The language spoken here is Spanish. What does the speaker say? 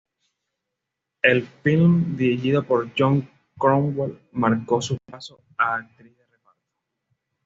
El filme, dirigido por John Cromwell, marcó su paso a actriz de reparto.